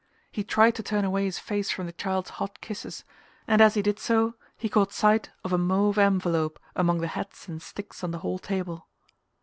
He tried to turn away his face from the child's hot kisses; and as he did so he caught sight of a mauve envelope among the hats and sticks on the hall table.